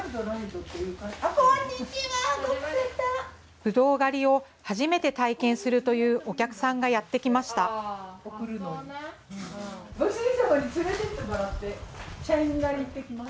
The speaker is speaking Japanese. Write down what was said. ぶどう狩りを初めて体験するというお客さんがやって来ました。